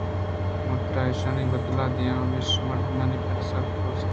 ءُ من ترا ایشانی بدلاں دئیاںمیشءَمُردنی پرے گپّءَسکّ تُرس اتک